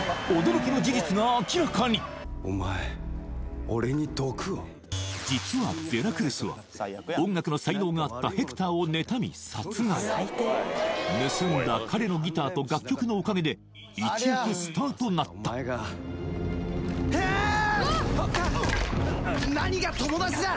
だがお前俺に毒を実はデラクルスは音楽の才能があったヘクターを妬み殺害盗んだ彼のギターと楽曲のおかげで一躍スターとなったハア何が友達だ！